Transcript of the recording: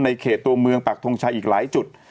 เขตตัวเมืองปักทงชัยอีกหลายจุด